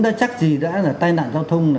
đã chắc gì đã là tai nạn giao thông